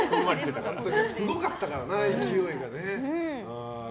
すごかったからね、勢いが。